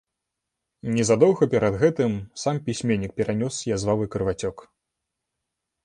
Незадоўга перад гэтым сам пісьменнік перанёс язвавы крывацёк.